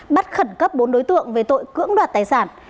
bắt khẩn cấp bốn đối tượng về tội cưỡng đoạt tài sản